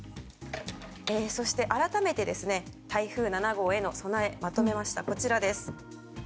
そして、改めて台風７号への備えをまとめました。